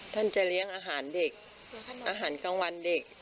จะเลี้ยงอาหารเด็กอาหารกลางวันเด็ก